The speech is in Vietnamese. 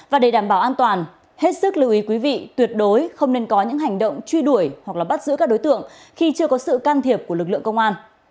và để đảm bảo an toàn hết sức lưu ý quý vị tuyệt đối không nên có những hành động truy đuổi hoặc bắt giữ các đối tượng khi chưa có sự can thiệp của lực lượng công an